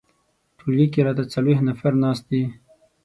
ټولګي کې راته څلویښت نفر ناست دي.